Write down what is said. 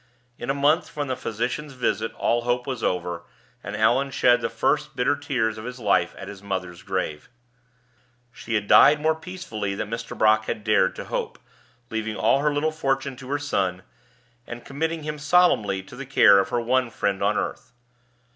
In a month from the physician's visit all hope was over; and Allan shed the first bitter tears of his life at his mother's grave. She had died more peacefully than Mr. Brock had dared to hope, leaving all her little fortune to her son, and committing him solemnly to the care of her one friend on earth.